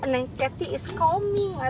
nengketi is coming ratu